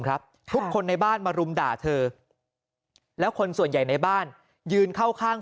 ทุกคนในบ้านมารุมด่าเธอแล้วคนส่วนใหญ่ในบ้านยืนเข้าข้าง